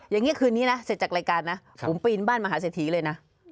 อย่างนี้คืนนี้นะเสร็จจากรายการนะผมปีนบ้านมหาเศรษฐีเลยนะ